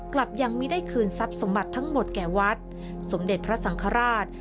กลับยังไม่ได้คืนทรัพย์สมบัติทั้งหมดแก่วัดสมเด็จพระสังฆราช